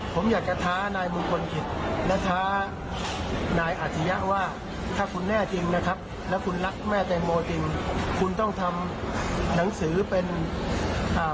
ว่าร่วมกันฆ่าหรือร่วมกันทำร้ายคุณกล้าหรือเปล่าล่ะ